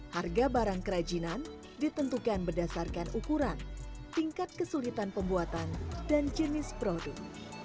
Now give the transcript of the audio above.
harga barang kerajinan ditentukan berdasarkan ukuran tingkat kesulitan pembuatan dan jenis produk